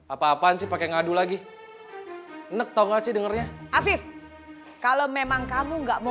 apa apaan sih pakai ngadu lagi nek tau gak sih dengernya afif kalau memang kamu nggak mau